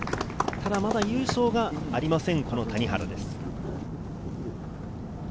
ただ、まだ優勝がありません、この谷原です。